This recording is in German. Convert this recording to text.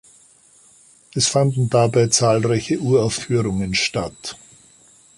Es fanden dabei zahlreiche Uraufführungen statt.